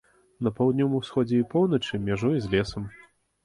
На паўднёвым усходзе і поўначы мяжуе з лесам.